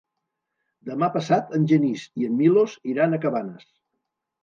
Demà passat en Genís i en Milos iran a Cabanes.